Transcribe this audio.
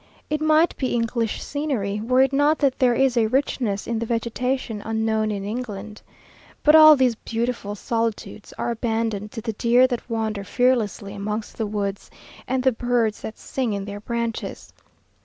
It might be English scenery, were it not that there is a richness in the vegetation unknown in England. But all these beautiful solitudes are abandoned to the deer that wander fearlessly amongst the woods, and the birds that sing in their branches.